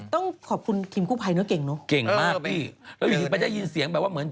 ต้องขอบคุณทีมคู่ภัยโน่ะเก่งเนาะแบบได้ยินเสียงแบบว่าเหมือน